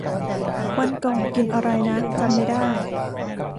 วันก่อนกินอะไรนะ จำไม่ได้